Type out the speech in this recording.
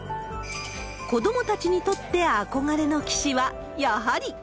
子どもたちにとって憧れの棋士は、やはり。